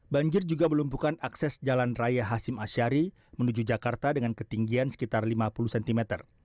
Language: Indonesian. banjir juga melumpuhkan akses jalan raya hasim ashari menuju jakarta dengan ketinggian sekitar lima puluh cm